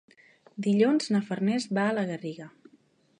Dilluns na Farners va a la Garriga.